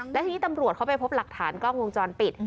และทีนี้ตำรวจเขาไปพบหลักฐานกล้องวงจรปิด